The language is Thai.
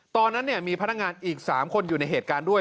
ตอนนั้นมีพนักงานอีก๓คนอยู่ในเหตุการณ์ด้วย